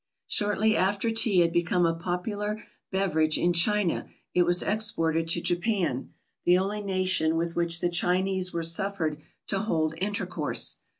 ] Shortly after Tea had become a popular beverage in China, it was exported to Japan, the only nation with which the Chinese were suffered to hold intercourse.